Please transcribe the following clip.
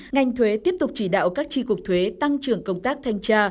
ngành thuế tiếp tục trì đạo các tri cuộc thuế tăng trưởng công tác thanh tra